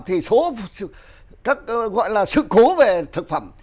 thì số các gọi là sự cố về thực phẩm